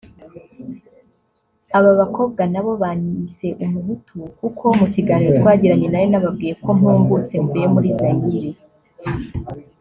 Aba bakobwa nabo banyise umuhutu kuko mu kiganiro twagiranye nari nababwiye ko mpungutse mvuye muri Zaïre